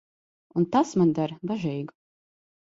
Un tas mani dara bažīgu.